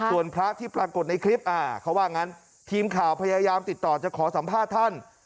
ส่วนพระที่ปรากฏในคลิปเขาว่างั้นทีมข่าวพยายามติดต่อจะขอสัมภาษณ์ท่าน